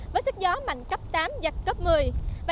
với sức gió mạnh cấp tám giật cấp một mươi